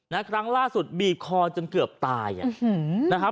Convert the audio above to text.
นะครั้งล่าสุดบีบคอจนเกือบตายอะ